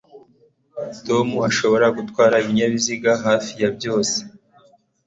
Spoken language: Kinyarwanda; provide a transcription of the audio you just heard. Tom ashobora gutwara ibinyabiziga hafi ya byose